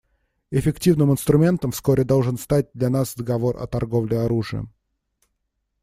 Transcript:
Эффективным инструментом вскоре должен стать для нас договор о торговле оружием.